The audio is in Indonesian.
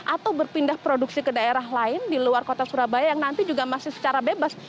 atau berpindah produksi ke daerah lain di luar kota surabaya yang nanti juga masih secara bebas